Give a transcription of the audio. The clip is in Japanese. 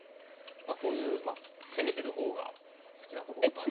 こういうまあ攻めてる方が好きなところがあります。